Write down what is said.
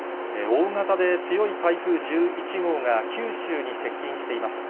大型で強い台風１１号が九州に接近しています。